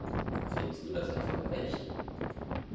Findest du das etwa gerecht?